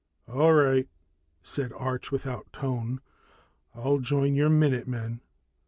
"All right," said Arch without tone. "I'll join your minute men.